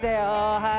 はい！